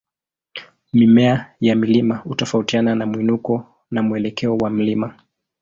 Mimea ya mlima hutofautiana na mwinuko na mwelekeo wa mlima.